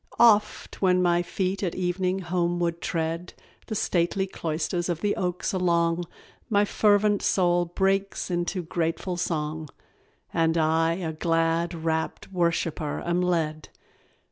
Oft, when my feet at evening homeward tread The stately cloisters of the oaks along, My fervent soul breaks into grateful song, And I a glad, rapt worshipper am led.